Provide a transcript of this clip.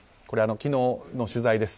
昨日の取材です。